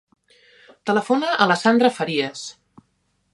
Telefona a la Sandra Farias.